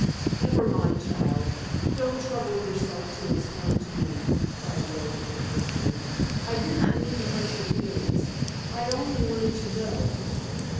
"Never mind, child. Don't trouble yourself to explain to me," cried the old man, hastily. "I did not mean to hurt your feelings. I only wanted to know.